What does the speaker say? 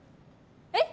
えっ？